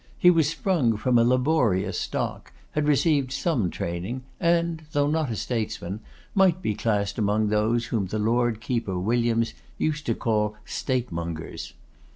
He was sprung from a laborious stock, had received some training, and though not a statesman, might be classed among those whom the Lord Keeper Williams used to call 'statemongers.